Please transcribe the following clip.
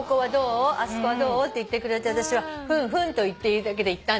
あそこはどう？って言ってくれて私はふんふんと言っているだけで行ったんですけど。